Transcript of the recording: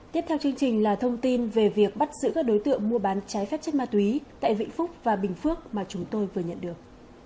tiếp theo chương trình là thông tin về việc bắt giữ các đối tượng mua bán trái phép chất ma túy tại vĩnh phúc và bình phước mà chúng tôi vừa nhận được